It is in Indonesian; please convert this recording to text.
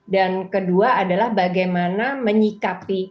dan kedua adalah bagaimana menyikapi perjalanan dengan kanker payudara ini gitu ya